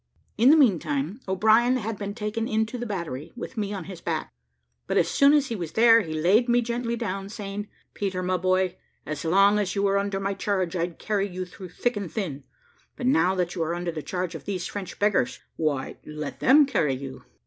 In the meantime, O'Brien had been taken into the battery, with me on his back: but as soon as he was there, he laid me gently down, saying, "Peter, my boy, as long as you were under my charge, I'd carry you through thick and thin; but now that you are under the charge of these French beggars, why, let them carry you.